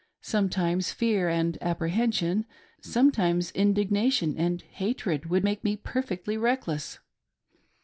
Sometimes fear and apprehension, sometimes indignation and hatred would make me feel perfectly reckless.